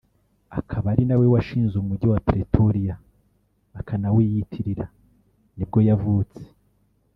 akaba ari nawe washinze umujyi wa Pretoria akanawiyitirira nibwo yavutse